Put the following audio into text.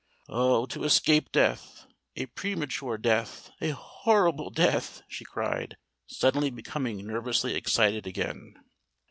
Oh! to escape death—a premature death—a horrible death!" she cried, suddenly becoming nervously excited again.